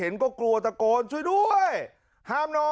นักเรียงมัธยมจะกลับบ้าน